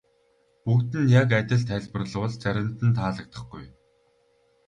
Бүгдэд нь яг адил тайлбарлавал заримд нь таалагдахгүй.